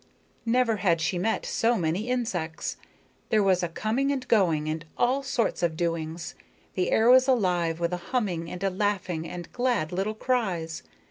Never had she met so many insects. There was a coming and going and all sorts of doings; the air was alive with a humming and a laughing and glad little cries.